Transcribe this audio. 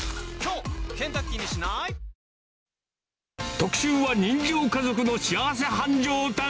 特集は人情家族の幸せ繁盛店。